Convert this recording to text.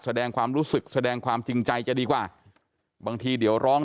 แสดงความรู้สึกแสดงความจริงใจจะดีกว่าบางทีเดี๋ยวร้อง